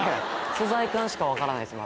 素材感しか分からないですまだ。